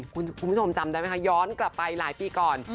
คุณผู้ชมจำได้ไหมคะย้อนกลับไปหลายปีก่อน